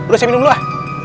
udah saya minum dulu ah